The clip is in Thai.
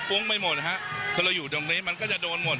ุ้งไปหมดฮะคือเราอยู่ตรงนี้มันก็จะโดนหมด